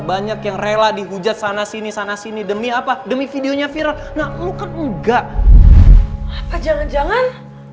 banyak yang rela dihujat sana sini sana sini demi apa demi videonya viral nah lo kan enggak jangan jangan